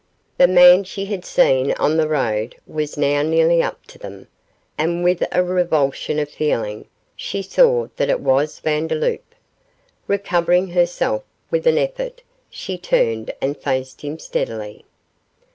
The man she had seen on the road was now nearly up to them, and with a revulsion of feeling she saw that it was Vandeloup. Recovering herself with an effort, she turned and faced him steadily.